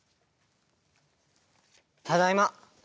ただいま。